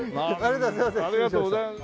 ありがとうございます。